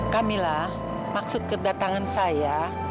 kamila maksud kedatangan saya